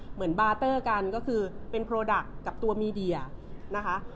เหมือนบาร์เตอร์กันก็คือเป็นโปรดักต์กับตัวมีเดียนะคะ